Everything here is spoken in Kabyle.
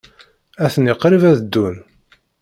Atni qrib ad ddun.